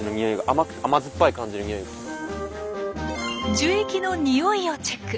樹液の匂いをチェック。